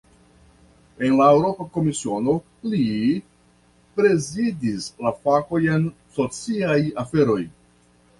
En la Eŭropa Komisiono, li prezidis la fakojn "sociaj aferoj".